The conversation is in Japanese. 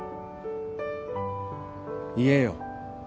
言えよ。